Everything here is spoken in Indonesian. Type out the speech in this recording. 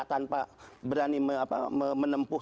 tanpa berani menempuh